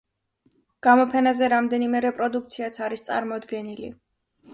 გამოფენაზე რამდენიმე რეპროდუქციაც არის წარმოდგენილი.